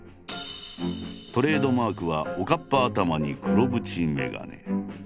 トレードマークはおかっぱ頭に黒縁眼鏡。